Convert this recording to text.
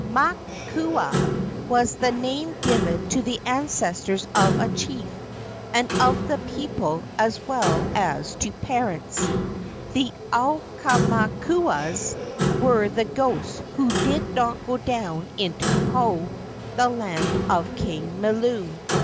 "Makua" was the name given to the ancestors of a chief and of the people as well as to parents. The aumakuas were the ghosts who did not go down into Po, the land of King Milu.